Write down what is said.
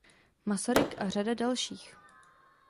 Masaryk a řada dalších.